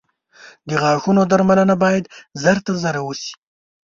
• د غاښونو درملنه باید ژر تر ژره وشي.